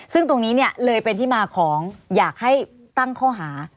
ซึ่งตรงนี้เนี่ยเลยเป็นที่มาของอยากให้ตั้งข้อหา